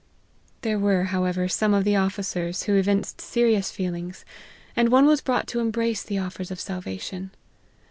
There were, however, some of the officers, who evinced serious feelings ; and one was brought to embrace the offers of salvation.